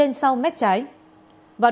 đối tượng phạm thị cài